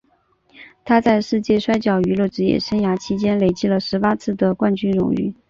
他在世界摔角娱乐职业生涯期间累计了十八次的冠军荣誉。